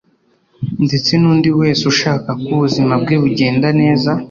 ndetse n'undi wese ushaka ko ubuzima bwe bugenda neza.